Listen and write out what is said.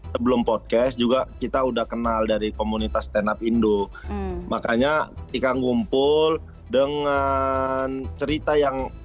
sebelum podcast juga kita udah kenal dari komunitas stand up indo makanya ikan ngumpul dengan cerita yang